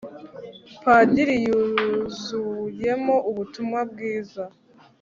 padiri yuzuyemo ubutumwa bwiza